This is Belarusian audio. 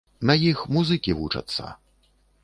На іх музыкі вучацца!